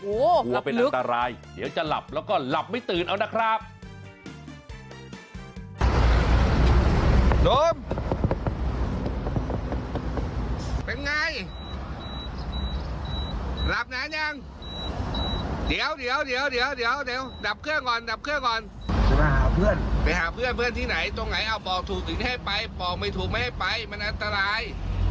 กลัวเป็นอันตรายเดี๋ยวจะหลับแล้วก็หลับไม่ตื่นเอานะครับ